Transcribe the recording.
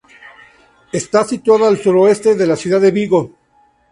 Está situada al suroeste de la ciudad de Vigo.